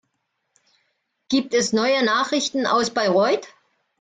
Gibt es neue Nachrichten aus Bayreuth?